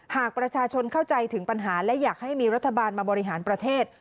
หากประชาชนเข้าใจถึงปัญหาและอยากให้มีรัฐบาลมาบริหารประเทศ